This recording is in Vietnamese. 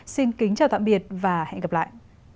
xin kính chào tạm biệt và hẹn gặp lại